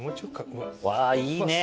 わぁいいね！